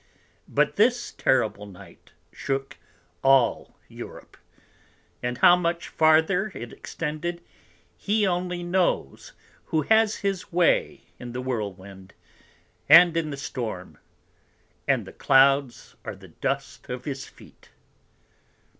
But this terrible Night shook all Europe; and how much farther it extended, he only knows who has his way in the Whirlwind, and in the Storm, and the Clouds are the Dust of his Feet.